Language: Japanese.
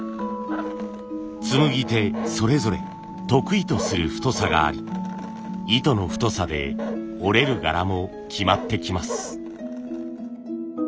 つむぎ手それぞれ得意とする太さがあり糸の太さで織れる柄も決まってきます。